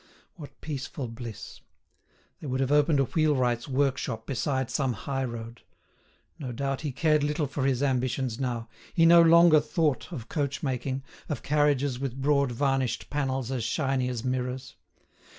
What peaceful bliss! They would have opened a wheelwright's workshop beside some high road. No doubt, he cared little for his ambitions now; he no longer thought of coachmaking, of carriages with broad varnished panels as shiny as mirrors.